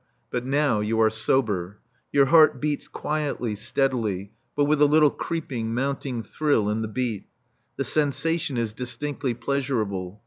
But now you are sober. Your heart beats quietly, steadily, but with a little creeping, mounting thrill in the beat. The sensation is distinctly pleasurable.